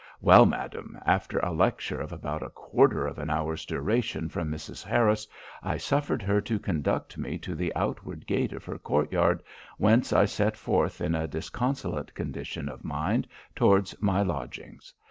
"Well, madam, after a lecture of about a quarter of an hour's duration from Mrs. Harris, I suffered her to conduct me to the outward gate of her court yard, whence I set forward in a disconsolate condition of mind towards my lodgings.